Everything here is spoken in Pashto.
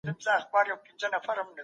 کمپيوټر توليد زياتوي.